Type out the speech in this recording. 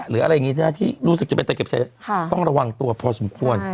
หรืออะไรอย่างนี้ที่รู้สึกจะเป็นตะเบ็บใช้ต้องระวังตัวพอสมควร